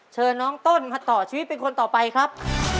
เชิญน้องต้นมาต่อชีวิตเป็นคนต่อไปครับ